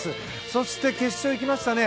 そして、決勝に行きましたね。